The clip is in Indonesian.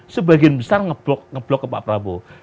sebagian besar ngeblok ngeblok ke pak prabowo